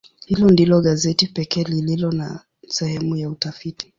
Hili ndilo gazeti pekee lililo na sehemu ya utafiti.